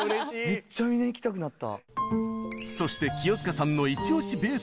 めっちゃ観に行きたくなった。